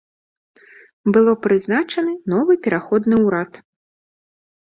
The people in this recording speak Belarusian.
Было прызначаны новы пераходны ўрад.